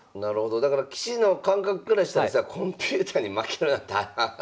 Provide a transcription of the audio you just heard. だから棋士の感覚からしたらコンピューターに負けるなんてアッハッハ。